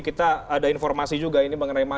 kita ada informasi juga ini